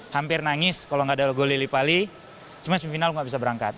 hampir nangis kalau gak ada gol lili pali cuma semifinal gak bisa berangkat